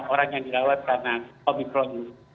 orang yang dirawat karena covid sembilan belas